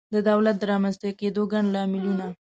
د دولت د رامنځته کېدو ګڼ لاملونه